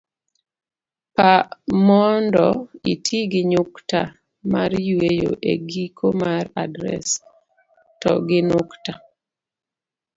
pa mondo iti gi nyukta mar yueyo e giko mar adres, to gi nukta